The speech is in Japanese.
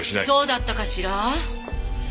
そうだったかしら。